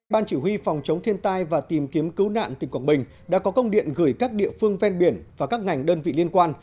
ban chỉ huy phòng chống thiên tai và tìm kiếm cứu nạn tỉnh quảng bình đã có công điện gửi các địa phương ven biển và các ngành đơn vị liên quan